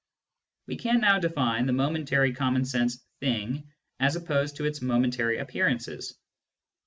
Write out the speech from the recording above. We can now define the momentary common sense " thing," as opposed to its momentary appearances.